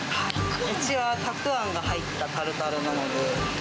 うちはタクアンが入ったタルタルなので。